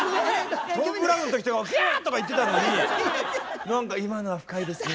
トム・ブラウンの時とか「ギャー！」とか言ってたのに何か「今のは深いですね」